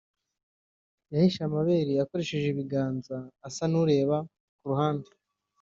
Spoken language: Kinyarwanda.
yahishe amabere akoresheje ibiganza asa n’ureba kuruhande